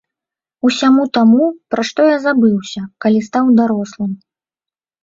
Усяму таму, пра што я забыўся, калі стаў дарослым.